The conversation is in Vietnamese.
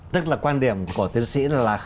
tức là quan điểm của tiến sĩ là